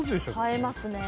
映えますね。